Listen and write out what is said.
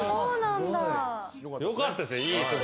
よかったですね。